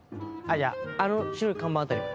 じゃああの白い看板辺り。